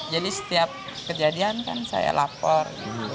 jadi setiap kejadian kan saya lapor